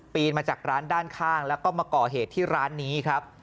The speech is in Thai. มาจากร้านด้านข้างแล้วก็มาก่อเหตุที่ร้านนี้ครับ